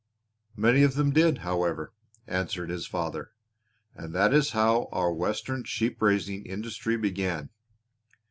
"Many of them did, however," answered his father, "and that is how our western sheep raising industry began.